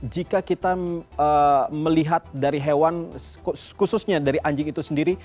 jika kita melihat dari hewan khususnya dari anjing itu sendiri